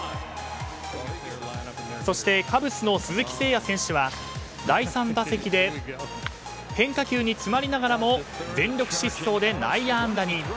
そして、カブスの鈴木誠也選手は第３打席で変化球に詰まりながらも全力疾走で内野安打に。